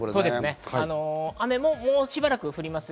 雨も、もうしばらく降ります。